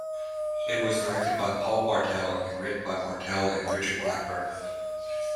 It was directed by Paul Bartel and written by Bartel and Richard Blackburn.